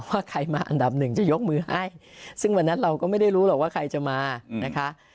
ว่าใครมาอันดับหนึ่งจะยกมือให้ซึ่งวันนั้นเราก็ไม่ได้รู้หรอกว่าใครจะมานะคะ